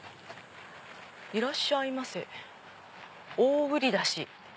「いらっしゃいませ大売出し」。